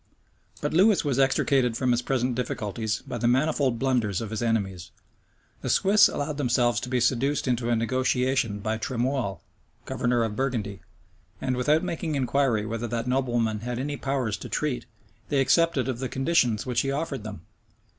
But Lewis was extricated from his present difficulties by the manifold blunders of his enemies. The Swiss allowed themselves to be seduced into a negotiation by Tremoille, governor of Burgundy; and without making inquiry whether that nobleman had any powers to treat, they accepted of the conditions which he offered them.